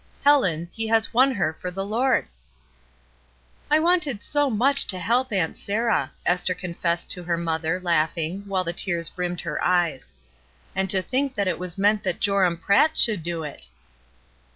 Helen, he has won her for the Lord !" "I wanted so much to help Aunt Sarah," Esther confessed to her mother, laughing, while the tears brimmed her eyes. "And to thmk that it was meant that Joram Pratt should do it!"